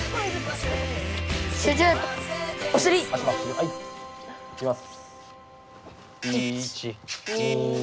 はいいきます。